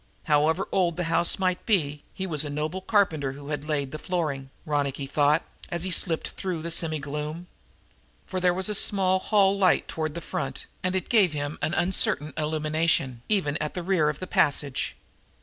However old that house might be, he was a noble carpenter who laid the flooring, Ronicky thought, as he slipped through the semi gloom. For there was a small hall light toward the front, and it gave him an uncertain illumination, even at the rear of the passage.